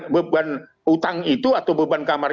beban utang itu atau beban kamar